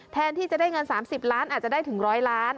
แทนที่จะได้เงิน๓๐ล้านอาจจะได้ถึง๑๐๐ล้าน